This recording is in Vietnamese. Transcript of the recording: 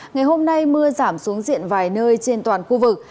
ngày hôm nay mưa giảm xuống diện vài nơi trên toàn khu vực